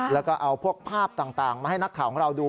แล้วก็เอาพวกภาพต่างมาให้นักข่าวของเราดู